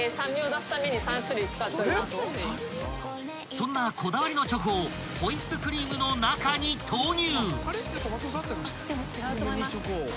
［そんなこだわりのチョコをホイップクリームの中に投入］